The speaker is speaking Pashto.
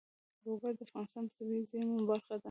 لوگر د افغانستان د طبیعي زیرمو برخه ده.